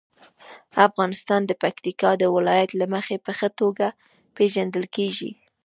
افغانستان د پکتیکا د ولایت له مخې په ښه توګه پېژندل کېږي.